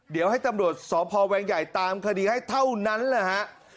เดี๋ยวให้ตำรวจสพแวงใหญ่ตามคดีให้เท่านั้นแหละฮะ